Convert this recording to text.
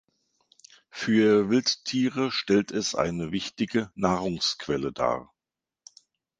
Für Wildtiere stellt es eine wichtige Nahrungsquelle dar.